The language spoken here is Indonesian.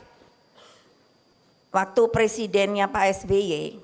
hai waktu presidennya pak sby saya bilang sama beliau